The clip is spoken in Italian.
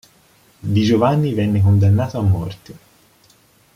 Di Giovanni venne condannato a morte.